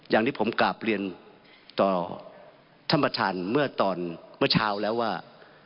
อย่างที่ผมกลับเรียนต่อท่านประธานเมื่อตอนเมื่อเช้าแล้วว่า